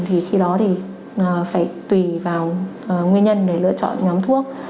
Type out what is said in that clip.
thì khi đó thì phải tùy vào nguyên nhân để lựa chọn nhóm thuốc